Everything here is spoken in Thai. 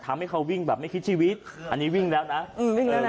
ทำให้เขาวิ่งแบบไม่คิดชีวิตอันนี้วิ่งแล้วนะอืมวิ่งแล้วนะ